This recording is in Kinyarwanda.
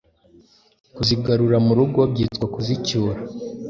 Kuzigarura mu rugo byitwa Kuzicyura